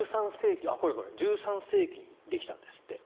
１３世紀にできたんですって。